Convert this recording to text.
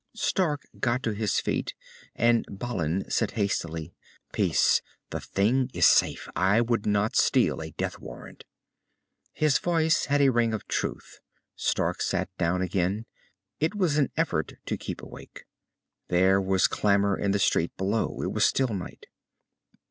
_" Stark got to his feet, and Balin said hastily, "Peace! The thing is safe. I would not steal a death warrant!" His voice had a ring of truth. Stark sat down again. It was an effort to keep awake. There was clamor in the street below. It was still night.